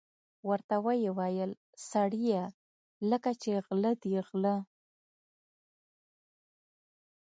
ورته ویې ویل: سړیه لکه چې غله دي غله.